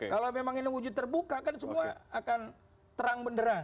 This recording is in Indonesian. kalau memang ini wujud terbuka kan semua akan terang benderang